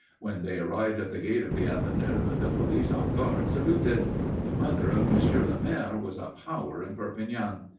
When they arrived at the gate of the Avenue, the police on guard saluted. The mother of Monsieur le Maire was a power in Perpignan.